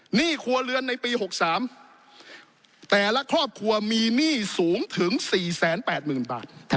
หนี้ครัวเรือนในปี๖๓แต่ละครอบครัวมีหนี้สูงถึง๔๘๐๐๐บาท